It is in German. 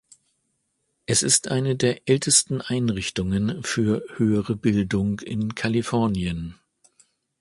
Es ist eine der ältesten Einrichtungen für höhere Bildung in Kalifornien.